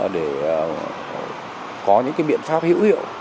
để có những biện pháp hữu hiệu